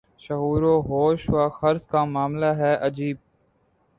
شعور و ہوش و خرد کا معاملہ ہے عجیب